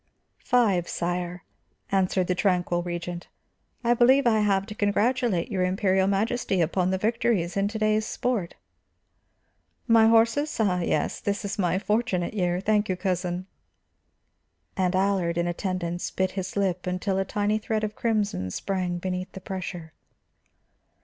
"Five, sire," answered the tranquil Regent. "I believe I have to congratulate your Imperial Majesty upon the victories in to day's sport." "My horses? Ah, yes; this is my fortunate year. Thank you, cousin." And Allard, in attendance, bit his lip until a tiny thread of crimson sprang beneath the pressure.